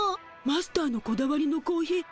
マスターのこだわりのコーヒー